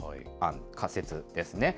仮説ですね。